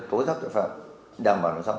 thối rắc tội phạm đảm bảo đối tượng